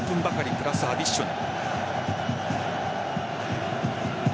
プラスアディショナル。